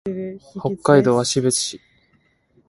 北海道芦別市